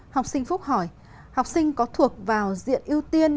học sinh phúc hỏi học sinh có thuộc vào diện ưu tiên